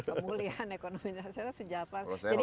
pemulihan ekonomi nasional sejahtera dan tangguh